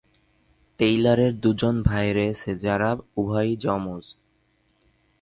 টেইলরের দুজন ভাই রয়েছে, যারা উভয়ই যমজ।